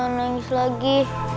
kau jangan nangis lagi